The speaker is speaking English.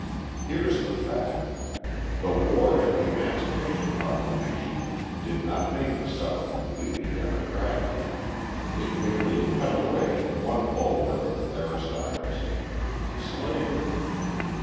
Here is the fact: the war and the emancipation proclamation did not make the South completely democratic; it merely cut away one bulwark of aristocracy slavery.